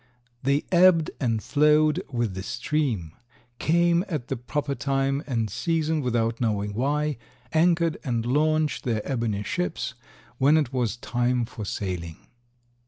They ebbed and flowed with the stream; came at the proper time and season without knowing why; anchored and launched their ebony ships when it was time for sailing.